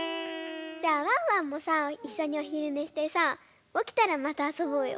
じゃあワンワンもさいっしょにおひるねしてさおきたらまたあそぼうよ。